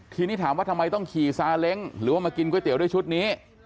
ทีนี้ถามว่าทำไมต้องขี่ซาเล้งหรือว่ามากินก๋วยเตี๋ยวด้วยชุดนี้